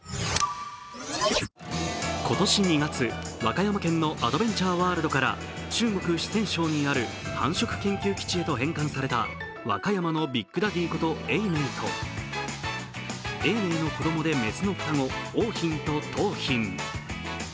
今年２月、和歌山県のアドベンチャーワールドから中国・四川省にある繁殖研究基地へと返還された和歌山のビッグダディこと永明と永明の子供で雌の双子、桜浜と桃浜。